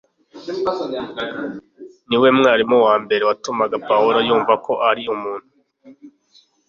Niwe mwarimu wa mbere watumaga Pawulo yumva ko ari umuntu